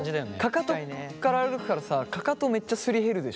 かかとから歩くからさかかとめっちゃすり減るでしょ？